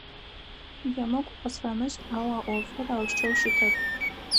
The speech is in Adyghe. Емыкӏу къысфэмышӏ, ау а ӏофыр аущтэу щытэп.